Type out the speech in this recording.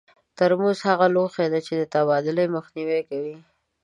ترموز هغه لوښي دي چې د تبادلې مخنیوی کوي.